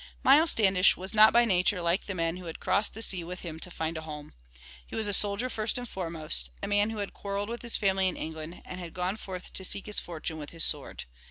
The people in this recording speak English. Miles Standish was not by nature like the men who had crossed the sea with him to find a home. He was a soldier first and foremost, a man who had quarreled with his family in England and gone forth to seek his fortune with his sword.